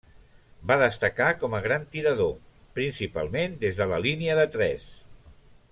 Va destacar com a gran tirador, principalment des de la línia de tres.